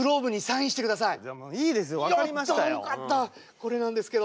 これなんですけど。